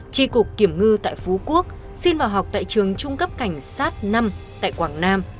tri cục kiểm ngư tại phú quốc xin vào học tại trường trung cấp cảnh sát năm tại quảng nam